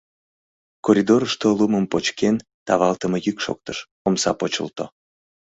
Коридорышто лумым почкен тавалтыме йӱк шоктыш, омса почылто.